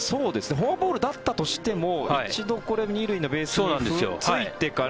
フォアボールだったとしても一度２塁のベースについてから。